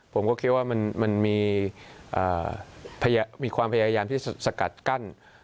ผมก็คิดว่ามันมีความพยายามที่จะสกัดกั้น